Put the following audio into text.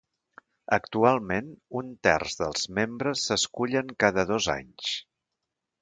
Actualment, un terç dels membres s'escullen cada dos anys.